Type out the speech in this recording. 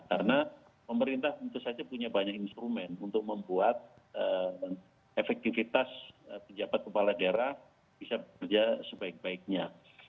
karena pemerintah tentu saja punya banyak instrumen untuk membuat efektifitas penjabat kepala daerah bisa bekerja sebaik baiknya